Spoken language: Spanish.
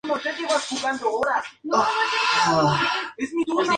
Actualmente es alcalde del municipio de Cotacachi.